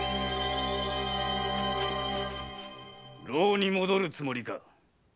牢に戻るつもりか？